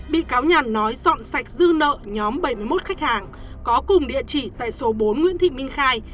bị cáo nhàn nói dọn sạch dư nợ nhóm bảy mươi một khách hàng có cùng địa chỉ tại số bốn nguyễn thị minh khai